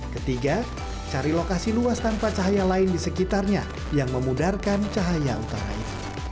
ketiga cari lokasi luas tanpa cahaya lain di sekitarnya yang memudarkan cahaya utara itu